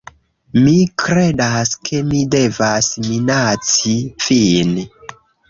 Mi kredas, ke mi devas minaci vin